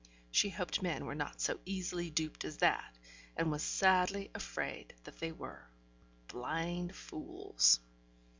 She hoped men were not so easily duped as that, and was sadly afraid that they were. Blind fools!